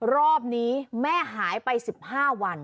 รอบนี้แม่หายไป๑๕วัน